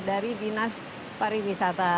dari dinas pariwisata